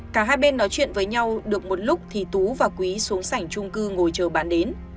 cả hai bên nói chuyện với nhau được một lúc thì tú và quý xuống sảnh trung cư ngồi chờ bán đến